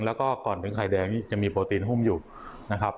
แล้วก็ก่อนถึงไข่แดงนี่จะมีโปรตีนหุ้มอยู่นะครับ